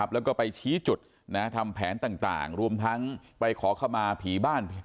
แล้วก็ไปชี้จุดทำแผนต่างรวมทั้งไปขอขมาผีบ้าน